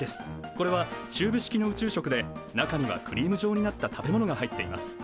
これはチューブ式の宇宙食で中にはクリーム状になった食べ物が入っています。